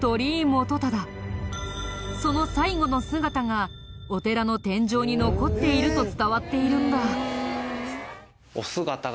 その最後の姿がお寺の天井に残っていると伝わっているんだ。